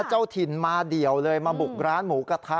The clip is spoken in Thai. เจ้าถิ่นมาเดี่ยวเลยมาบุกร้านหมูกระทะ